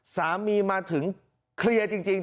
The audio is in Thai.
สามีมาถึงเคลียร์จริง